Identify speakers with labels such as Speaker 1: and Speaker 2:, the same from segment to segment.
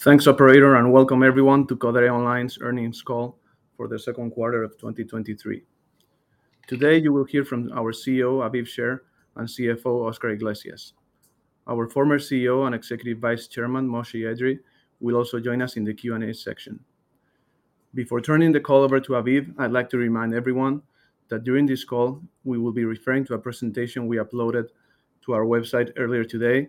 Speaker 1: Thanks, operator, and welcome everyone to Codere Online's earnings call for the second quarter of 2023. Today, you will hear from our CEO, Aviv Sher, and CFO, Oscar Iglesias. Our former CEO and Executive Vice Chairman, Moshe Edree, will also join us in the Q&A section. Before turning the call over to Aviv, I'd like to remind everyone that during this call, we will be referring to a presentation we uploaded to our website earlier today,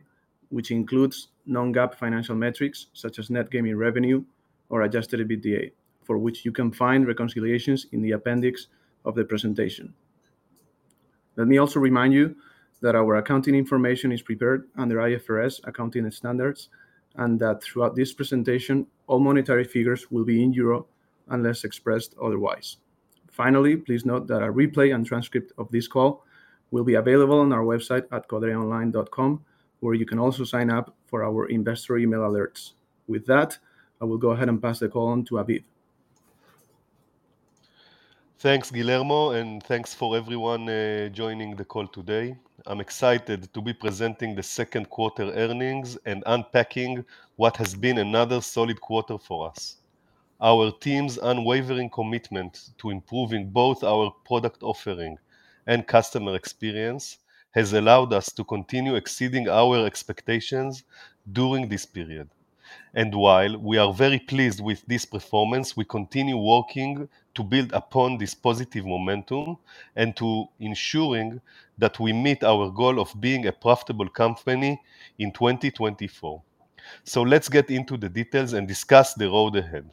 Speaker 1: which includes non-GAAP financial metrics such as net gaming revenue or adjusted EBITDA, for which you can find reconciliations in the appendix of the presentation. Let me also remind you that our accounting information is prepared under IFRS accounting standards, and that throughout this presentation, all monetary figures will be in euros unless expressed otherwise. Finally, please note that a replay and transcript of this call will be available on our website at codereonline.com, where you can also sign up for our investor email alerts. With that, I will go ahead and pass the call on to Aviv.
Speaker 2: Thanks, Guillermo, and thanks for everyone joining the call today. I'm excited to be presenting the second quarter earnings and unpacking what has been another solid quarter for us. Our team's unwavering commitment to improving both our product offering and customer experience has allowed us to continue exceeding our expectations during this period. While we are very pleased with this performance, we continue working to build upon this positive momentum and to ensuring that we meet our goal of being a profitable company in 2024. Let's get into the details and discuss the road ahead.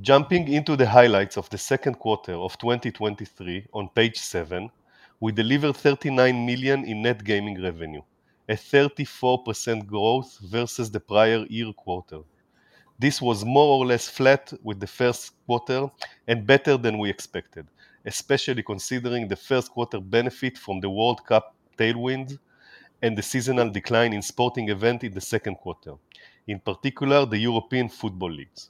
Speaker 2: Jumping into the highlights of the second quarter of 2023 on page seven, we delivered 39 million in Net Gaming Revenue, a 34% growth versus the prior year quarter. This was more or less flat with the first quarter and better than we expected, especially considering the first quarter benefit from the World Cup tailwind and the seasonal decline in sporting event in the second quarter, in particular, the European football leagues.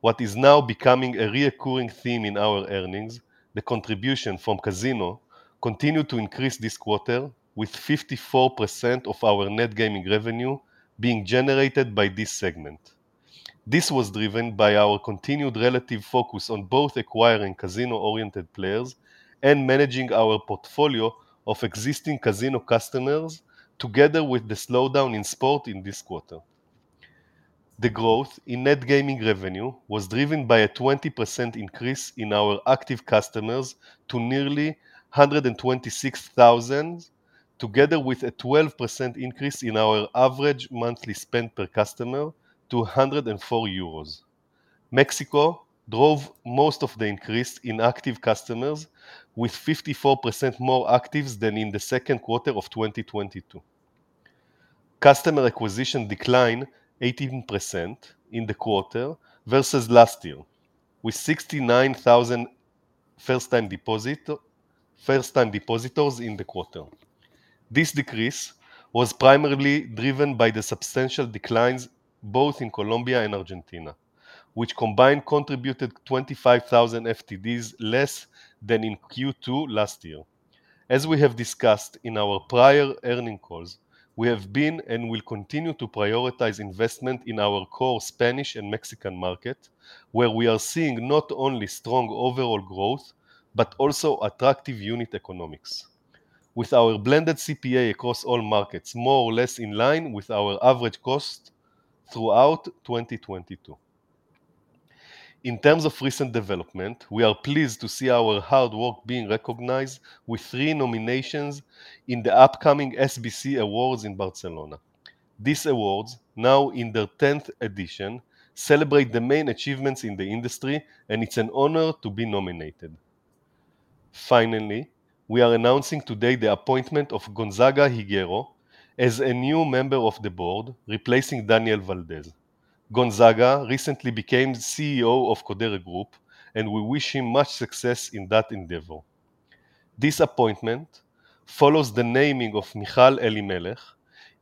Speaker 2: What is now becoming a recurring theme in our earnings, the contribution from casino continued to increase this quarter, with 54% of our net gaming revenue being generated by this segment. This was driven by our continued relative focus on both acquiring casino-oriented players and managing our portfolio of existing casino customers, together with the slowdown in sport in this quarter. The growth in net gaming revenue was driven by a 20% increase in our active customers to nearly 126,000, together with a 12% increase in our average monthly spend per customer to 104 euros. Mexico drove most of the increase in active customers, with 54% more actives than in the second quarter of 2022. Customer acquisition declined 18% in the quarter versus last year, with 69,000 first-time depositors in the quarter. This decrease was primarily driven by the substantial declines both in Colombia and Argentina, which combined contributed 25,000 FTDs less than in Q2 last year. As we have discussed in our prior earnings calls, we have been and will continue to prioritize investment in our core Spanish and Mexican market, where we are seeing not only strong overall growth, but also attractive unit economics, with our blended CPA across all markets, more or less in line with our average cost throughout 2022. In terms of recent development, we are pleased to see our hard work being recognized with three nominations in the upcoming SBC Awards in Barcelona. These awards, now in their tenth edition, celebrate the main achievements in the industry, and it's an honor to be nominated. Finally, we are announcing today the appointment of Gonzaga Higuero as a new member of the board, replacing Daniel Valdez. Gonzaga recently became CEO of Codere Group, and we wish him much success in that endeavor. This appointment follows the naming of Michal Elimelech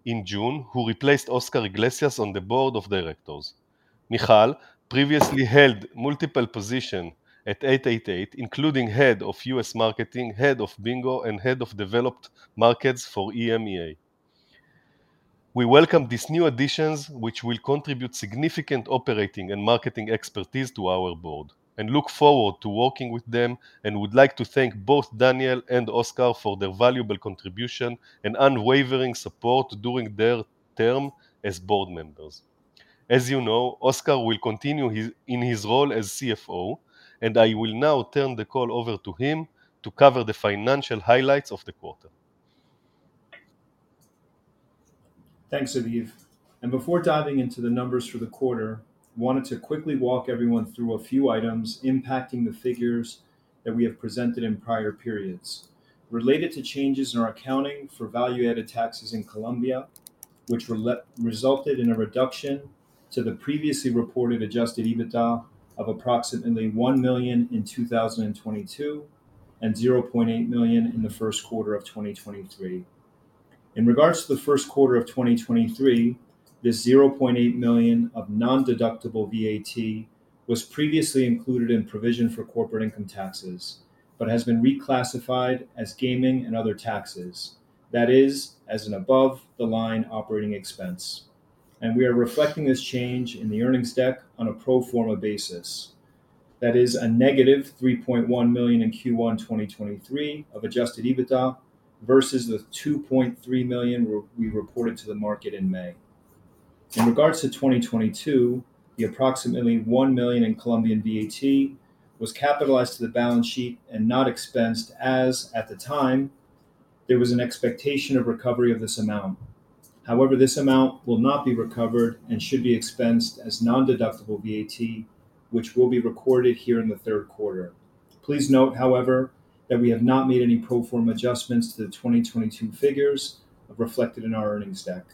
Speaker 2: in June, who replaced Oscar Iglesias on the board of directors. Michal previously held multiple position at 888, including Head of U.S. Marketing, Head of Bingo, and Head of Developed Markets for EMEA. We welcome these new additions, which will contribute significant operating and marketing expertise to our board, and look forward to working with them, and would like to thank both Daniel and Oscar for their valuable contribution and unwavering support during their term as board members. As you know, Oscar will continue in his role as CFO, and I will now turn the call over to him to cover the financial highlights of the quarter.
Speaker 3: Thanks, Aviv. Before diving into the numbers for the quarter, wanted to quickly walk everyone through a few items impacting the figures that we have presented in prior periods. Related to changes in our accounting for value-added taxes in Colombia, which resulted in a reduction to the previously reported Adjusted EBITDA of approximately 1 million in 2022, and 0.8 million in the first quarter of 2023. In regards to the first quarter of 2023, this 0.8 million of non-deductible VAT was previously included in provision for corporate income taxes, but has been reclassified as gaming and other taxes. That is, as an above the line operating expense. We are reflecting this change in the earnings deck on a pro forma basis. That is a -3.1 million in Q1 2023 of Adjusted EBITDA versus the 2.3 million we reported to the market in May. In regards to 2022, the approximately 1 million in Colombian VAT was capitalized to the balance sheet and not expensed, as at the time, there was an expectation of recovery of this amount. However, this amount will not be recovered and should be expensed as non-deductible VAT, which will be recorded here in the third quarter. Please note, however, that we have not made any pro forma adjustments to the 2022 figures reflected in our earnings deck.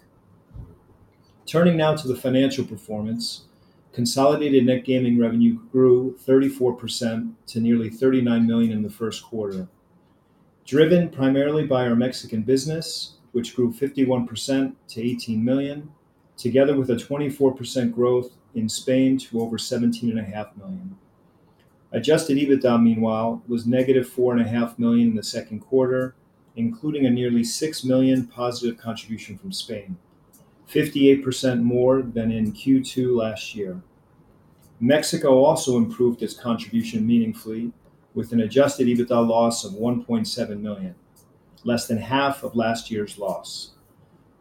Speaker 3: Turning now to the financial performance. Consolidated net gaming revenue grew 34% to nearly 39 million in the first quarter, driven primarily by our Mexican business, which grew 51% to 18 million, together with a 24% growth in Spain to over 17.5 million. Adjusted EBITDA, meanwhile, was -4.5 million in the second quarter, including a nearly 6 million positive contribution from Spain, 58% more than in Q2 last year. Mexico also improved its contribution meaningfully with an adjusted EBITDA loss of 1.7 million, less than half of last year's loss.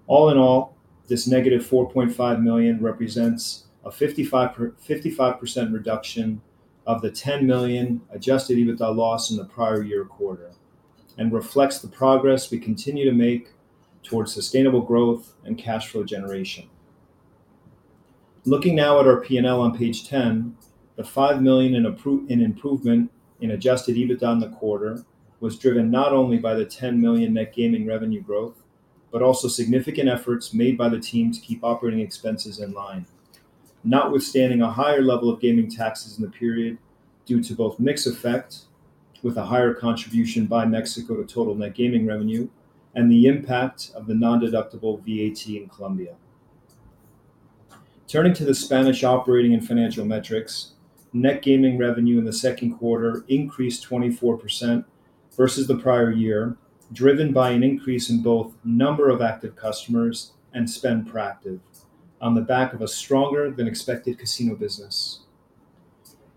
Speaker 3: All in all, this -4.5 million represents a 55% reduction of the 10 million adjusted EBITDA loss in the prior year quarter, and reflects the progress we continue to make towards sustainable growth and cash flow generation. Looking now at our P&L on page 10, the 5 million in improvement in Adjusted EBITDA in the quarter was driven not only by the 10 million Net Gaming Revenue growth, but also significant efforts made by the team to keep operating expenses in line. Notwithstanding a higher level of gaming taxes in the period due to both mix effect, with a higher contribution by Mexico to total Net Gaming Revenue, and the impact of the non-deductible VAT in Colombia. Turning to the Spanish operating and financial metrics, Net Gaming Revenue in the second quarter increased 24% versus the prior year, driven by an increase in both number of active customers and spend per active, on the back of a stronger than expected casino business.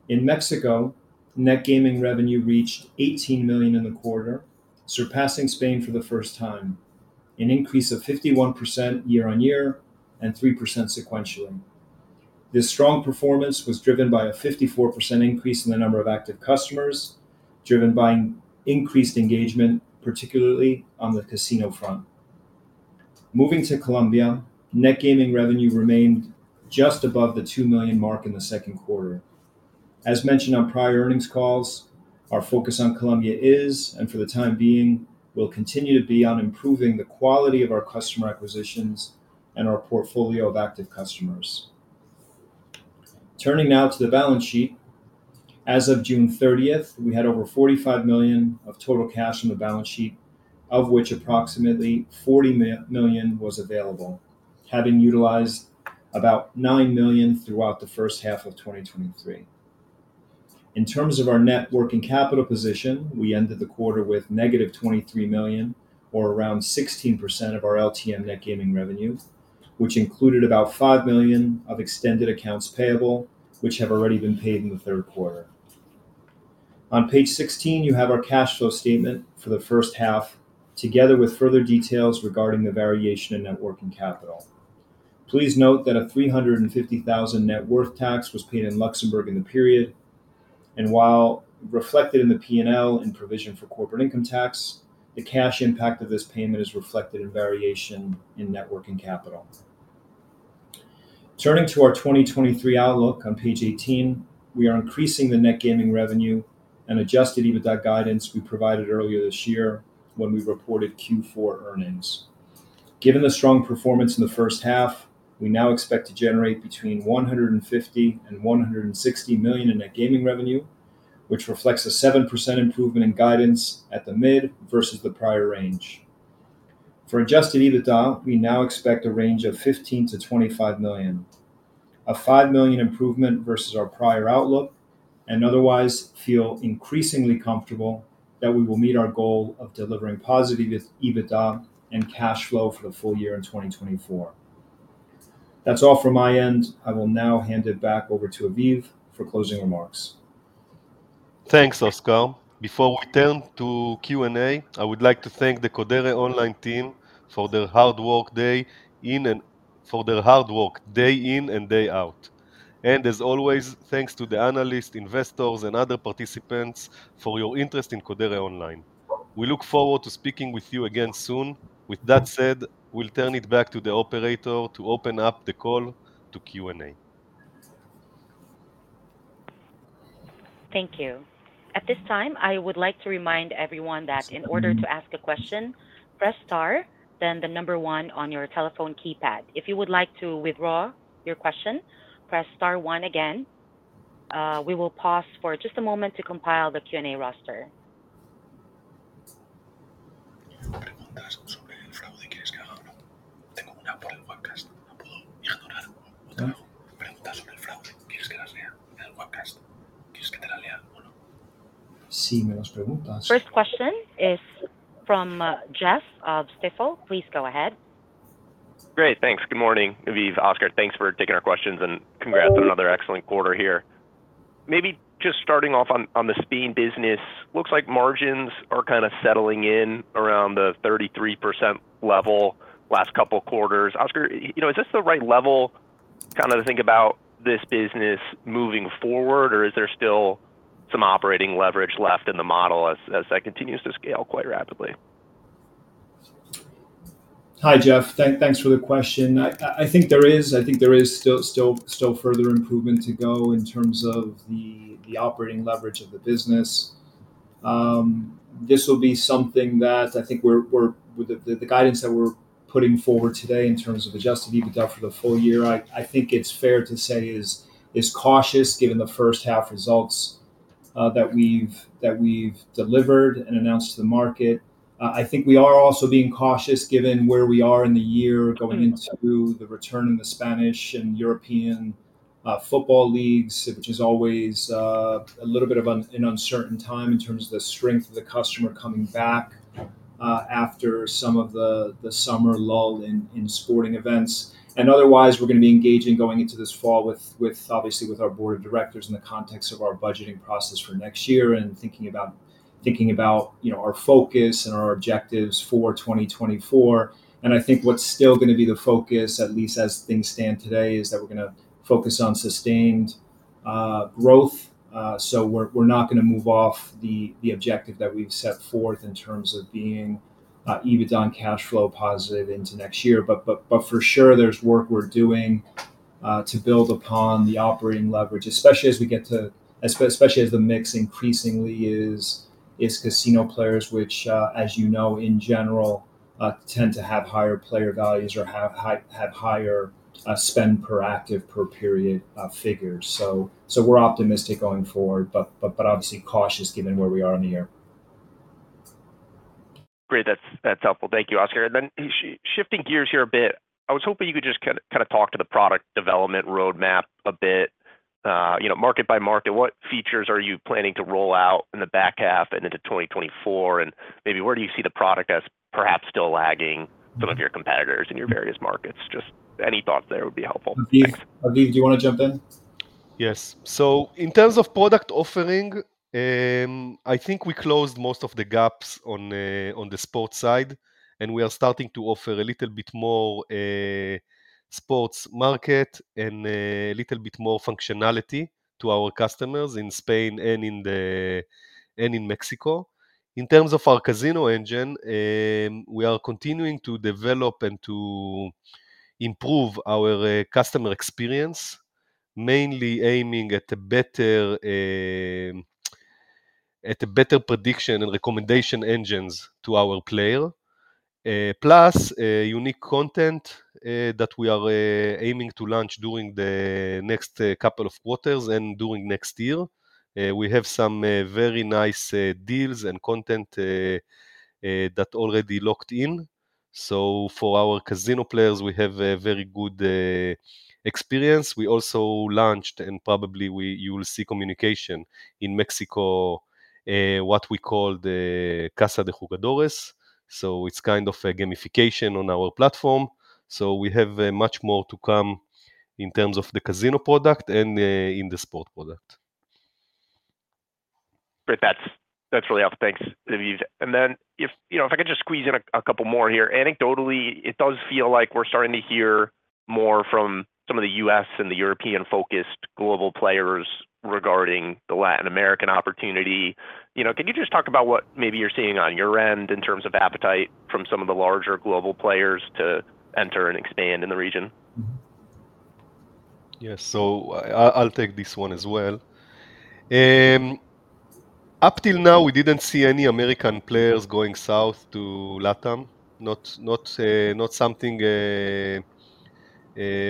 Speaker 3: In Mexico, net gaming revenue reached 18 million in the quarter, surpassing Spain for the first time, an increase of 51% year-on-year and 3% sequentially. This strong performance was driven by a 54% increase in the number of active customers, driven by increased engagement, particularly on the casino front. Moving to Colombia, net gaming revenue remained just above the 2 million mark in the second quarter. As mentioned on prior earnings calls, our focus on Colombia is, and for the time being, will continue to be on improving the quality of our customer acquisitions and our portfolio of active customers. Turning now to the balance sheet. As of June 30, we had over 45 million of total cash on the balance sheet, of which approximately 40 million was available, having utilized about 9 million throughout the first half of 2023. In terms of our net working capital position, we ended the quarter with -23 million or around 16% of our LTM Net Gaming Revenue, which included about 5 million of extended accounts payable, which have already been paid in the third quarter. On page 16, you have our cash flow statement for the first half, together with further details regarding the variation in net working capital. Please note that a 350,000 net worth tax was paid in Luxembourg in the period, and while reflected in the P&L and provision for corporate income tax, the cash impact of this payment is reflected in variation in net working capital. Turning to our 2023 outlook on page 18, we are increasing the Net Gaming Revenue and Adjusted EBITDA guidance we provided earlier this year when we reported Q4 earnings. Given the strong performance in the first half, we now expect to generate between 150 million and 160 million in net gaming revenue, which reflects a 7% improvement in guidance at the mid versus the prior range. For adjusted EBITDA, we now expect a range of 15 million-25 million, a 5 million improvement versus our prior outlook, and otherwise feel increasingly comfortable that we will meet our goal of delivering positive EBITDA and cash flow for the full year in 2024. That's all from my end. I will now hand it back over to Aviv for closing remarks.
Speaker 2: Thanks, Oscar. Before we turn to Q&A, I would like to thank the Codere Online team for their hard work day in and day out. As always, thanks to the analysts, investors, and other participants for your interest in Codere Online. We look forward to speaking with you again soon. With that said, we'll turn it back to the operator to open up the call to Q&A.
Speaker 4: Thank you. At this time, I would like to remind everyone that in order to ask a question, press star, then the number one on your telephone keypad. If you would like to withdraw your question, press star one again. We will pause for just a moment to compile the Q&A roster. First question is from, Jeff of Stifel. Please go ahead.
Speaker 5: Great, thanks. Good morning, Aviv, Oscar. Thanks for taking our questions, and congrats on another excellent quarter here. Maybe just starting off on the sports business, looks like margins are kind of settling in around the 33% level last couple quarters. Oscar, you know, is this the right level, kind of to think about this business moving forward, or is there still some operating leverage left in the model as that continues to scale quite rapidly?
Speaker 3: Hi, Jeff. Thanks for the question. I think there is still further improvement to go in terms of the operating leverage of the business. This will be something that I think we're... With the guidance that we're putting forward today in terms of Adjusted EBITDA for the full year, I think it's fair to say is cautious, given the first half results that we've delivered and announced to the market. I think we are also being cautious given where we are in the year, going into the return in the Spanish and European football leagues, which is always a little bit of an uncertain time in terms of the strength of the customer coming back after some of the summer lull in sporting events. Otherwise, we're gonna be engaging going into this fall with obviously our board of directors in the context of our budgeting process for next year, and thinking about, you know, our focus and our objectives for 2024. I think what's still gonna be the focus, at least as things stand today, is that we're gonna focus on sustained growth. So we're not gonna move off the objective that we've set forth in terms of being EBITDA and cash flow positive into next year. But for sure, there's work we're doing to build upon the operating leverage, especially as we get to... Especially as the mix increasingly is casino players, which, as you know, in general, tend to have higher player values, or have higher spend per active per period figures. So we're optimistic going forward, but obviously cautious given where we are in the year.
Speaker 5: Great. That's, that's helpful. Thank you, Oscar. And then shifting gears here a bit, I was hoping you could just kind of talk to the product development roadmap a bit. You know, market by market, what features are you planning to roll out in the back half and into 2024? And maybe where do you see the product as perhaps still lagging some of your competitors in your various markets? Just any thoughts there would be helpful.
Speaker 3: Aviv, Aviv, do you want to jump in?
Speaker 2: Yes. So in terms of product offering, I think we closed most of the gaps on the sports side, and we are starting to offer a little bit more sports market and a little bit more functionality to our customers in Spain and in Mexico. In terms of our casino engine, we are continuing to develop and to improve our customer experience, mainly aiming at a better prediction and recommendation engines to our player. Plus, unique content that we are aiming to launch during the next couple of quarters and during next year. We have some very nice deals and content that already locked in. So for our casino players, we have a very good experience. We also launched, and probably you will see communication in Mexico, what we call the Casa de Jugadores. So it's kind of a gamification on our platform. So we have much more to come in terms of the casino product and in the sport product.
Speaker 5: Great. That's really helpful. Thanks, Aviv. And then if, you know, if I could just squeeze in a couple more here. Anecdotally, it does feel like we're starting to hear more from some of the U.S. and the European-focused global players regarding the Latin American opportunity. You know, can you just talk about what maybe you're seeing on your end in terms of appetite from some of the larger global players to enter and expand in the region?
Speaker 2: Yes. So I'll take this one as well. Up till now, we didn't see any American players going south to LATAM. Not something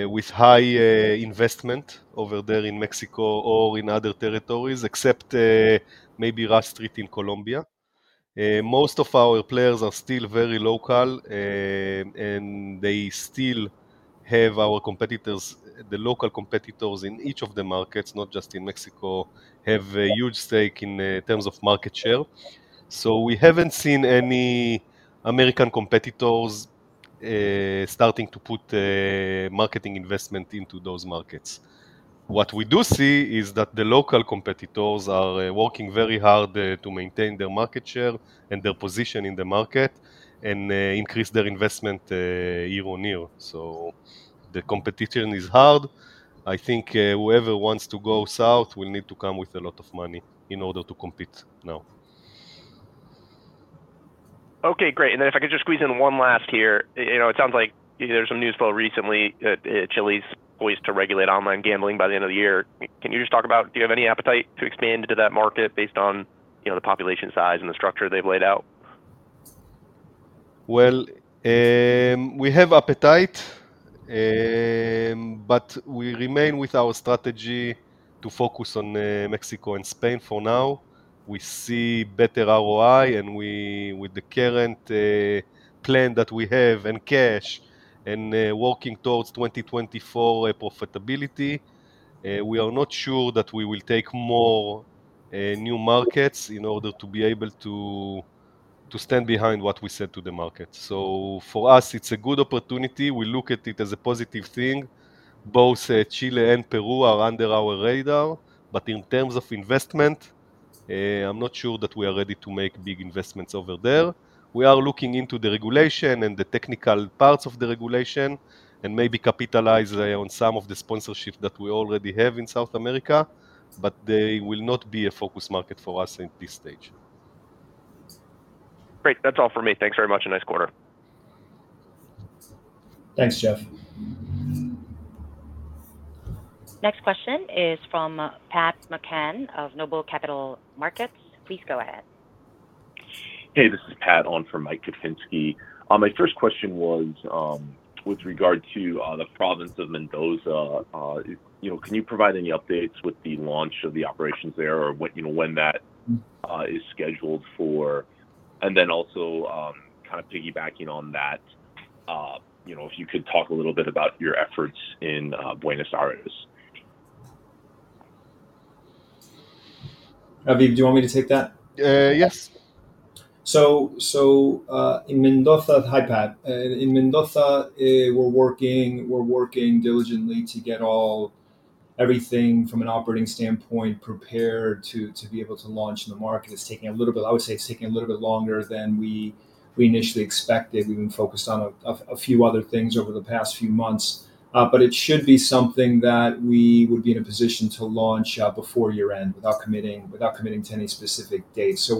Speaker 2: with high investment over there in Mexico or in other territories, except maybe Rush Street in Colombia. Most of our players are still very local, and they still have our competitors, the local competitors in each of the markets, not just in Mexico, have a huge stake in terms of market share. So we haven't seen any American competitors starting to put marketing investment into those markets. What we do see is that the local competitors are working very hard to maintain their market share and their position in the market, and increase their investment year on year. So the competition is hard. I think, whoever wants to go south will need to come with a lot of money in order to compete now.
Speaker 5: Okay, great. And then if I could just squeeze in one last here. You know, it sounds like there's some news flow recently that Chile's poised to regulate online gambling by the end of the year. Can you just talk about, do you have any appetite to expand into that market based on, you know, the population size and the structure they've laid out?
Speaker 2: Well, we have appetite. But we remain with our strategy to focus on Mexico and Spain for now. We see better ROI, and we, with the current plan that we have and cash, and working towards 2024 profitability, we are not sure that we will take more new markets in order to be able to, to stand behind what we said to the market. So for us, it's a good opportunity. We look at it as a positive thing. Both Chile and Peru are under our radar, but in terms of investment, I'm not sure that we are ready to make big investments over there. We are looking into the regulation and the technical parts of the regulation, and maybe capitalize on some of the sponsorship that we already have in South America, but they will not be a focus market for us at this stage.
Speaker 5: Great. That's all for me. Thanks very much, and nice quarter.
Speaker 3: Thanks, Jeff.
Speaker 4: Next question is from Pat McCann of Noble Capital Markets. Please go ahead.
Speaker 6: Hey, this is Pat on for Mike Kupinski. My first question was with regard to the province of Mendoza. You know, can you provide any updates with the launch of the operations there or when, you know, when that is scheduled for? And then also, kind of piggybacking on that, you know, if you could talk a little bit about your efforts in Buenos Aires.
Speaker 3: Aviv, do you want me to take that?
Speaker 2: Uh, yes.
Speaker 3: In Mendoza... Hi, Pat. In Mendoza, we're working diligently to get everything from an operating standpoint prepared to be able to launch in the market. It's taking a little bit... I would say it's taking a little bit longer than we initially expected. We've been focused on a few other things over the past few months, but it should be something that we would be in a position to launch before year-end, without committing to any specific date. So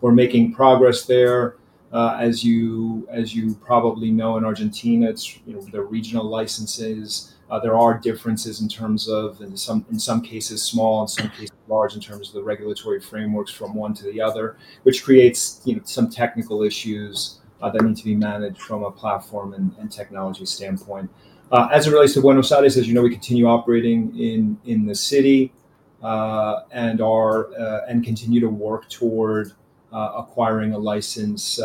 Speaker 3: we're making progress there. As you, as you probably know, in Argentina, it's, you know, the regional licenses, there are differences in terms of, in some, in some cases, small, in some cases, large, in terms of the regulatory frameworks from one to the other, which creates, you know, some technical issues, that need to be managed from a platform and, and technology standpoint. As it relates to Buenos Aires, as you know, we continue operating in, in the city, and are, and continue to work toward, acquiring a license,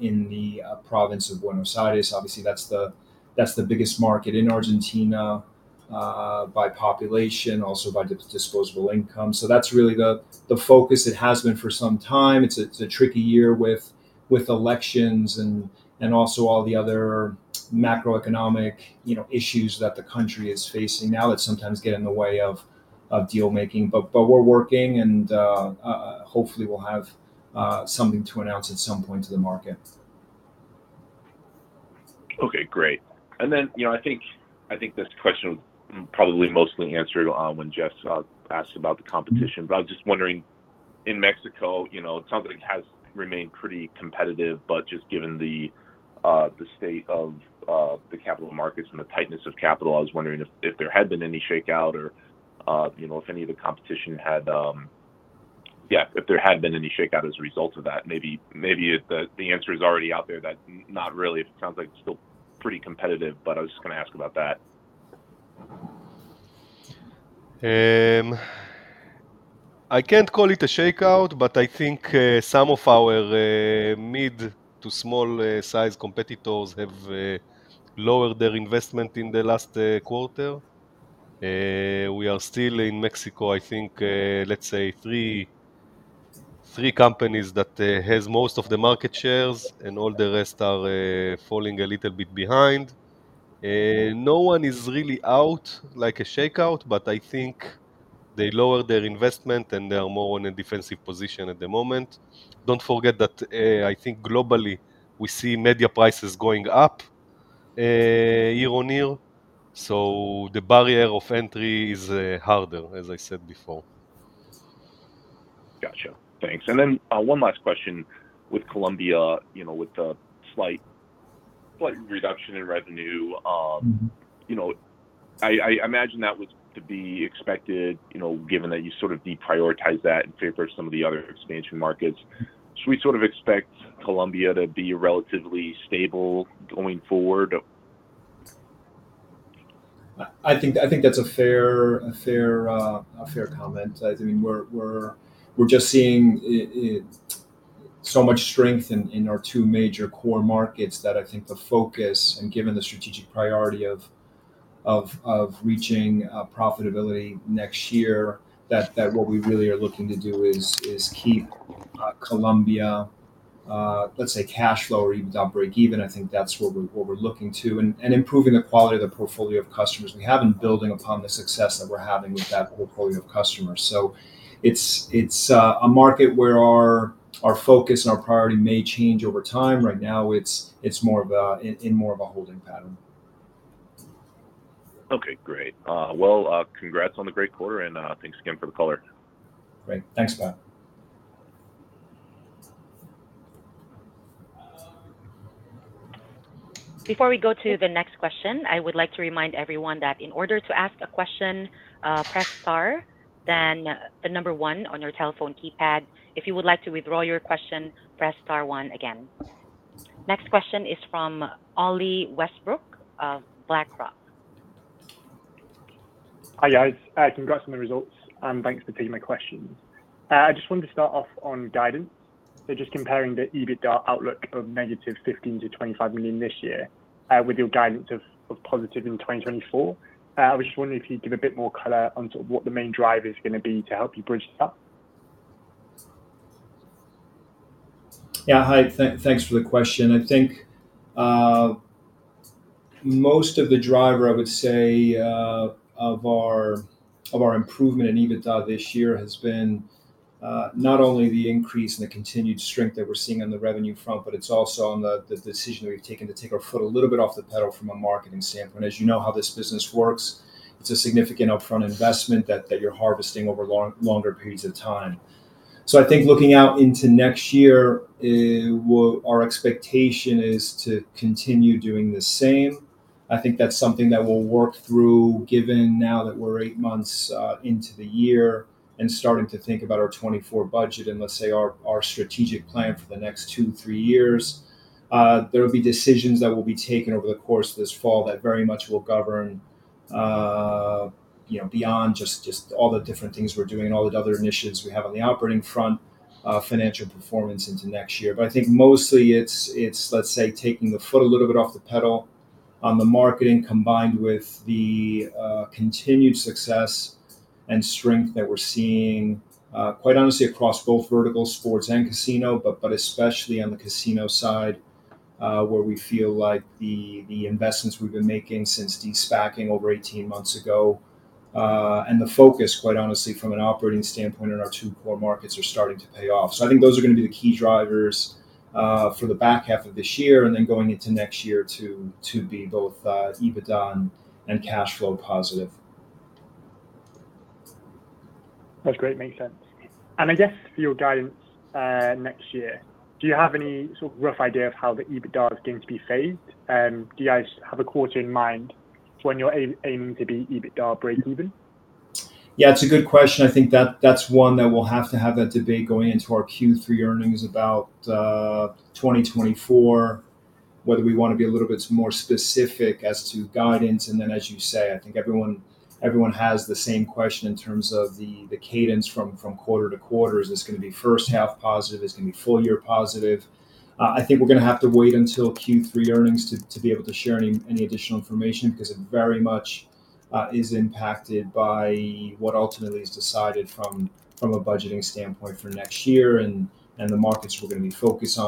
Speaker 3: in the, province of Buenos Aires. Obviously, that's the, that's the biggest market in Argentina, by population, also by disposable income. So that's really the, the focus. It has been for some time. It's a tricky year with elections and also all the other macroeconomic, you know, issues that the country is facing now that sometimes get in the way of deal making. But we're working, and hopefully, we'll have something to announce at some point to the market.
Speaker 6: Okay, great. And then, you know, I think, I think this question was probably mostly answered, when Jeff asked about the competition. But I was just wondering, in Mexico, you know, it sounds like it has remained pretty competitive, but just given the, the state of the capital markets and the tightness of capital, I was wondering if, if there had been any shakeout or, you know, if any of the competition had... Yeah, if there had been any shakeout as a result of that. Maybe, maybe if the, the answer is already out there, that not really. It sounds like it's still pretty competitive, but I was just gonna ask about that.
Speaker 2: I can't call it a shakeout, but I think some of our mid to small size competitors have lowered their investment in the last quarter. We are still in Mexico, I think, let's say three companies that has most of the market shares, and all the rest are falling a little bit behind. No one is really out like a shakeout, but I think they lowered their investment, and they are more on a defensive position at the moment. Don't forget that I think globally, we see media prices going up year on year, so the barrier of entry is harder, as I said before.
Speaker 6: Gotcha. Thanks. And then, one last question with Colombia, you know, with the slight, slight reduction in revenue,
Speaker 3: Mm-hmm.
Speaker 6: You know, I imagine that was to be expected, you know, given that you sort of deprioritized that in favor of some of the other expansion markets. Should we sort of expect Colombia to be relatively stable going forward?
Speaker 3: I think that's a fair comment. I mean, we're just seeing so much strength in our two major core markets that I think the focus, and given the strategic priority of reaching profitability next year, that what we really are looking to do is keep Colombia, let's say, cash flow or even break even. I think that's what we're looking to, and improving the quality of the portfolio of customers we have and building upon the success that we're having with that portfolio of customers. So it's a market where our focus and our priority may change over time. Right now, it's more of a holding pattern.
Speaker 6: Okay, great. Well, congrats on the great quarter, and thanks again for the color.
Speaker 3: Great. Thanks, Pat.
Speaker 4: Before we go to the next question, I would like to remind everyone that in order to ask a question, press star, then the number one on your telephone keypad. If you would like to withdraw your question, press star one again. Next question is from Oli Westbrook of BlackRock.
Speaker 7: Hi, guys. Congrats on the results, and thanks for taking my questions. I just wanted to start off on guidance. So just comparing the EBITDA outlook of negative 15 million-25 million this year, with your guidance of positive in 2024. I was just wondering if you'd give a bit more color on sort of what the main driver is gonna be to help you bridge this up?
Speaker 3: Yeah, hi, thanks for the question. I think most of the driver, I would say, of our improvement in EBITDA this year has been not only the increase in the continued strength that we're seeing on the revenue front, but it's also the decision we've taken to take our foot a little bit off the pedal from a marketing standpoint. As you know how this business works, it's a significant upfront investment that you're harvesting over longer periods of time. So I think looking out into next year, our expectation is to continue doing the same. I think that's something that we'll work through, given now that we're eight months into the year and starting to think about our 2024 budget and, let's say, our strategic plan for the next two, three years. There will be decisions that will be taken over the course of this fall that very much will govern, you know, beyond just, just all the different things we're doing, all the other initiatives we have on the operating front, financial performance into next year. But I think mostly it's, it's, let's say, taking the foot a little bit off the pedal on the marketing, combined with the, continued success and strength that we're seeing, quite honestly, across both vertical sports and casino, but, but especially on the casino side, where we feel like the, the investments we've been making since de-SPACing over 18 months ago, and the focus, quite honestly, from an operating standpoint on our two core markets are starting to pay off. So I think those are gonna be the key drivers for the back half of this year, and then going into next year to be both EBITDA and cash flow positive.
Speaker 7: That's great. Makes sense. I guess for your guidance, next year, do you have any sort of rough idea of how the EBITDA is going to be phased? Do you guys have a quarter in mind when you're aiming to be EBITDA breakeven?
Speaker 3: Yeah, it's a good question. I think that's one that we'll have to have that debate going into our Q3 earnings about 2024, whether we wanna be a little bit more specific as to guidance. And then, as you say, I think everyone has the same question in terms of the cadence from quarter to quarter. Is this gonna be first half positive? Is it gonna be full year positive? I think we're gonna have to wait until Q3 earnings to be able to share any additional information, 'cause it very much is impacted by what ultimately is decided from a budgeting standpoint for next year. And the markets we're gonna be focusing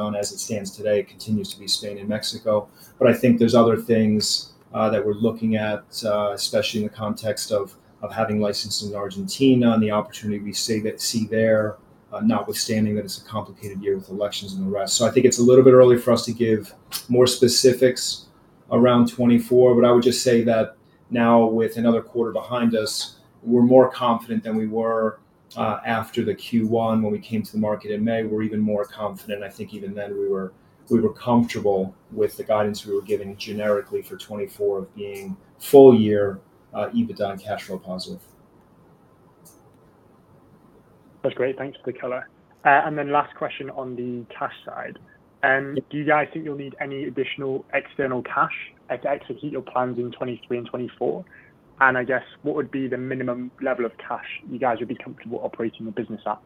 Speaker 3: on, as it stands today, continues to be Spain and Mexico. But I think there's other things that we're looking at, especially in the context of having licensed in Argentina and the opportunity we see there, notwithstanding that it's a complicated year with elections and the rest. So I think it's a little bit early for us to give more specifics around 2024, but I would just say that now with another quarter behind us, we're more confident than we were after the Q1 when we came to the market in May. We're even more confident. I think even then we were comfortable with the guidance we were giving generically for 2024 of being full year EBITDA and cash flow positive.
Speaker 7: That's great. Thanks for the color. And then last question on the cash side. Do you guys think you'll need any additional external cash, like, to execute your plans in 2023 and 2024? And I guess, what would be the minimum level of cash you guys would be comfortable operating the business at?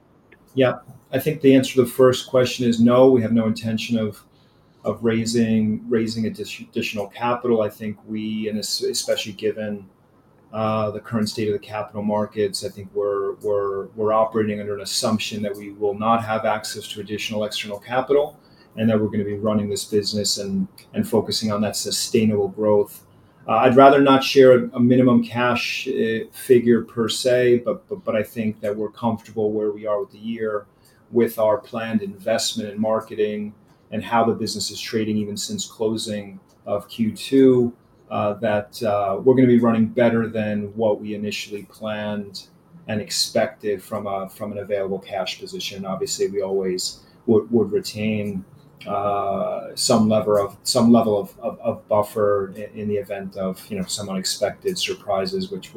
Speaker 3: Yeah. I think the answer to the first question is no, we have no intention of raising additional capital. I think especially given the current state of the capital markets, I think we're operating under an assumption that we will not have access to additional external capital, and that we're gonna be running this business and focusing on that sustainable growth. I'd rather not share a minimum cash figure per se, but I think that we're comfortable where we are with the year, with our planned investment in marketing and how the business is trading, even since closing of Q2. We're gonna be running better than what we initially planned and expected from an available cash position. Obviously, we always would retain some level of buffer in the event of, you know, some unexpected surprises, which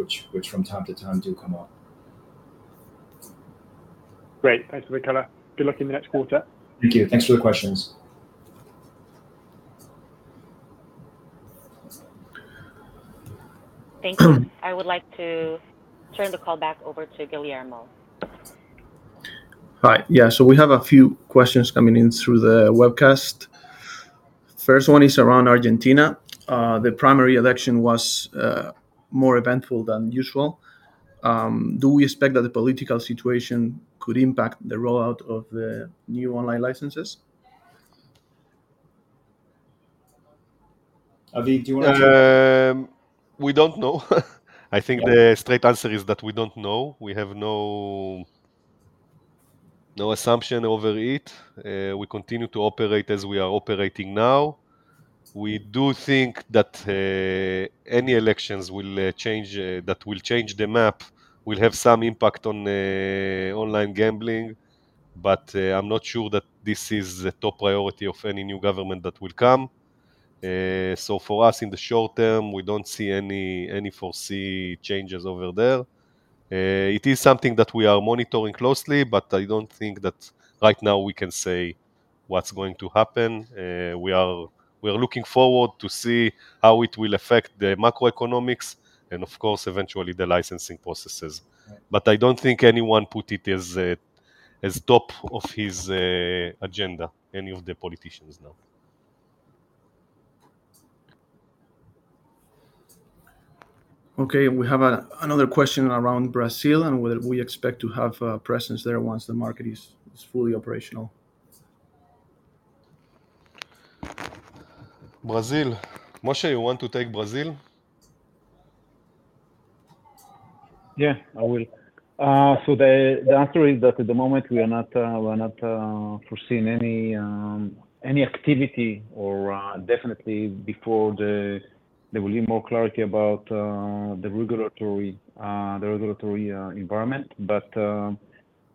Speaker 3: from time to time do come up.
Speaker 7: Great. Thanks for the color. Good luck in the next quarter.
Speaker 3: Thank you. Thanks for the questions.
Speaker 4: Thank you. I would like to turn the call back over to Guillermo.
Speaker 1: Hi. Yeah, so we have a few questions coming in through the webcast. First one is around Argentina. The primary election was more eventful than usual. Do we expect that the political situation could impact the rollout of the new online licenses?
Speaker 3: Aviv, do you wanna try?
Speaker 2: We don't know. I think the straight answer is that we don't know. We have no, no assumption over it. We continue to operate as we are operating now. We do think that any elections will change that will change the map, will have some impact on online gambling, but I'm not sure that this is the top priority of any new government that will come. So for us, in the short term, we don't see any foreseeable changes over there. It is something that we are monitoring closely, but I don't think that right now we can say what's going to happen. We are looking forward to see how it will affect the macroeconomics and of course, eventually the licensing processes. But I don't think anyone put it as a top of his agenda, any of the politicians, no.
Speaker 1: Okay, we have another question around Brazil, and whether we expect to have a presence there once the market is fully operational.
Speaker 2: Brazil. Moshe, you want to take Brazil?
Speaker 8: Yeah, I will. So the answer is that at the moment, we are not foreseeing any activity or definitely before there will be more clarity about the regulatory environment. But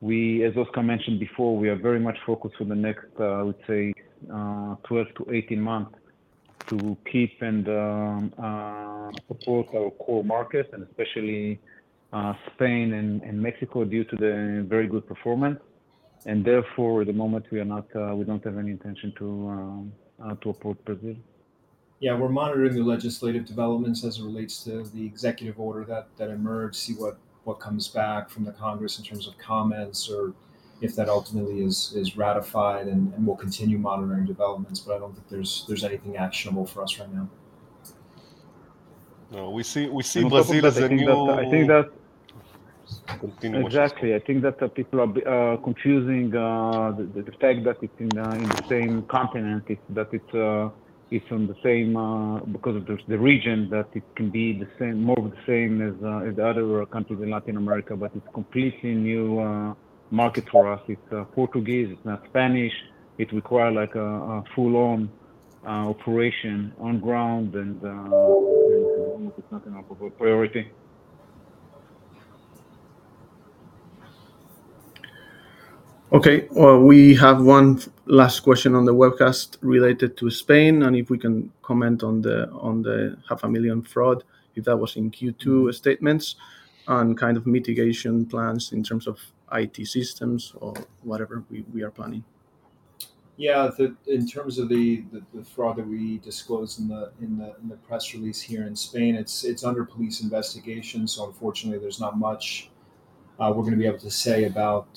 Speaker 8: we, as Oscar mentioned before, are very much focused on the next, I would say, 12-18 months to keep and support our core market, and especially Spain and Mexico, due to the very good performance. And therefore, at the moment, we are not, we don't have any intention to approach Brazil.
Speaker 3: Yeah, we're monitoring the legislative developments as it relates to the executive order that emerged, see what comes back from the Congress in terms of comments or if that ultimately is ratified, and we'll continue monitoring developments, but I don't think there's anything actionable for us right now.
Speaker 2: No, we see Brazil as a new-
Speaker 8: I think that.
Speaker 2: Continue, Moshe.
Speaker 8: Exactly. I think that the people are confusing the fact that it's in the same continent, it's that it's on the same because of the region, that it can be the same, more of the same as the other countries in Latin America, but it's completely new market for us. It's Portuguese, it's not Spanish. It require like a full-on operation on ground, and it's not in our priority.
Speaker 1: Okay. Well, we have one last question on the webcast related to Spain, and if we can comment on the 500,000 fraud, if that was in Q2 statements, on kind of mitigation plans in terms of IT systems or whatever we are planning.
Speaker 3: Yeah. In terms of the fraud that we disclosed in the press release here in Spain, it's under police investigation, so unfortunately, there's not much we're gonna be able to say about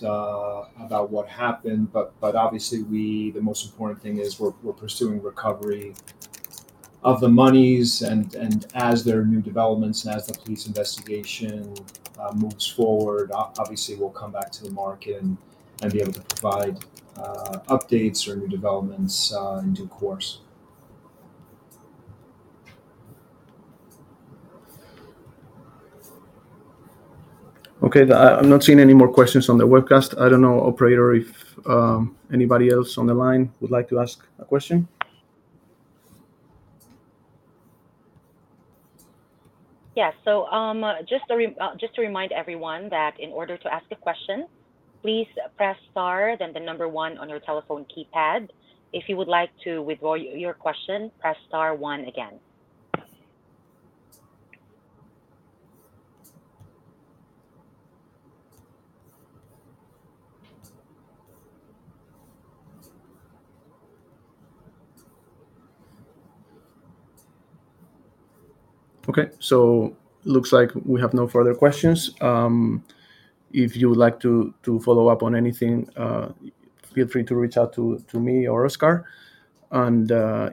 Speaker 3: what happened. But obviously, the most important thing is we're pursuing recovery of the monies, and as there are new developments and as the police investigation moves forward, obviously, we'll come back to the market and be able to provide updates or new developments in due course.
Speaker 1: Okay. I'm not seeing any more questions on the webcast. I don't know, operator, if anybody else on the line would like to ask a question?
Speaker 4: Yes. So, just to remind everyone that in order to ask a question, please press star, then the number one on your telephone keypad. If you would like to withdraw your question, press star one again.
Speaker 1: Okay. So looks like we have no further questions. If you would like to follow up on anything, feel free to reach out to me or Oscar, and